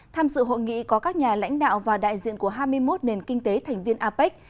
tham dự hội nghị có các nhà lãnh đạo và đại diện của hai mươi một nền kinh tế thành viên apec